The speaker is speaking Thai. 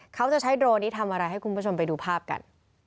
เขาจะใช้โดรนนี้ทำอะไรให้คุณผู้ชมไปดูภาพกัน